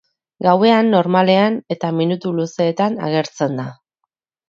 Gauean normalean eta minutu luzeetan agertzen da.